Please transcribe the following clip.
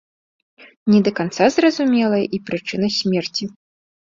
Не да канца зразумелая і прычына смерці.